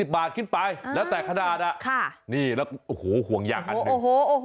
๒๐บาทขึ้นไปแล้วแต่ขนาดนั้นนะค่ะโอ้โหห่วงอย่างนึง